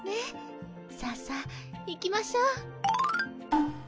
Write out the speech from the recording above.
さあさあ行きましょう。